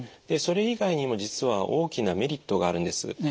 でそれ以外にも実は大きなメリットがあるんです。